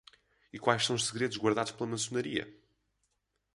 E quais são os segredos guardados pela maçonaria?